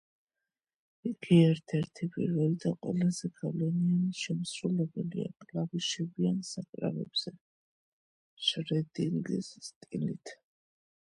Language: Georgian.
იგი ერთ-ერთი პირველი და ყველაზე გავლენიანი შემსრულებელია კლავიშებიან საკრავებზე შრედინგის სტილით.